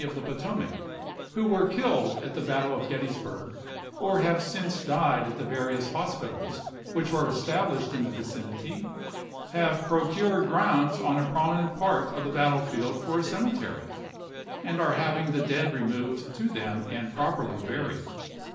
of the Potomac, who were killed at the battle of Gettysburg, or have since died at the various hos pitals which were established in the vicinity, have procured grounds on a prominent part of the battle field for a cemetery, and are having the dead removed to them and properly buried.